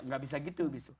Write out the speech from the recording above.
gak bisa gitu bisu